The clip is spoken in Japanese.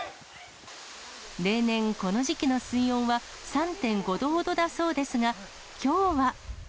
例年、この時期の水温は３．５度ほどだそうですが、きょうは。